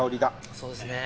そうですね。